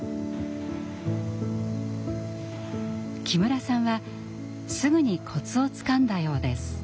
木村さんはすぐにコツをつかんだようです。